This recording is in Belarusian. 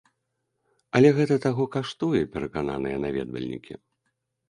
Але гэта таго каштуе, перакананыя наведвальнікі.